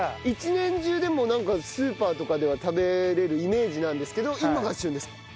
一年中でもなんかスーパーとかでは食べれるイメージなんですけど今が旬ですか？